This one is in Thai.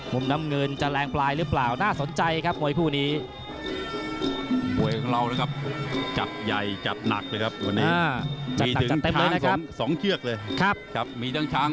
น้ำเงินจะแรงปลายหรือเปล่าน่าสนใจครับมวยคู่นี้